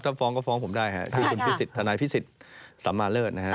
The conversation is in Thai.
ถ้าฟ้องก็ฟ้องผมได้ฮะชื่อคุณพิสิทธนายพิสิทธิ์สัมมาเลิศนะฮะ